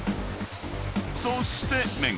［そして］